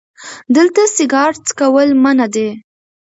دلته سیګار څکول منع دي🚭